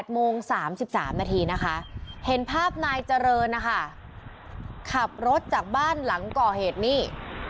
โมง๓๓นาทีนะคะเห็นภาพนายเจริญนะคะขับรถจากบ้านหลังก่อเหตุนี่